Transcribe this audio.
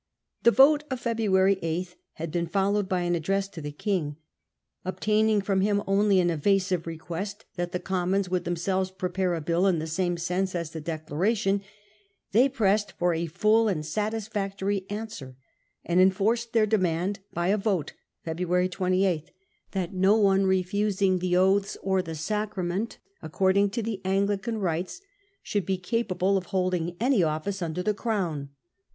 The vote of February 8 had been followed by an address to the King. Obtaining from him only an evasive request that the Commons would themselves prepare a bill in the same sense as the Declaration, they pressed 4 for a full and satisfactory answer ;* and enforced their demand by a vote (February 28) that no one refusing the oaths or the sacrament according to the the c 0,1 Anglican rites should be capable of holding Declaration. an y 0 flj ce under the Crown.